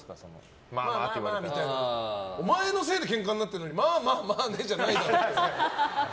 お前のせいでケンカになってるのにまあまあまあじゃないだろって。